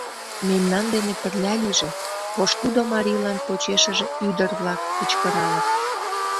Мемнан дене пырля лийже! — пошкудо марийлан почешыже ӱдыр-влак кычкыралыт.